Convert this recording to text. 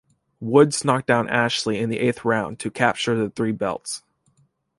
Woods knocked out Ashley in the eighth round to capture the three belts.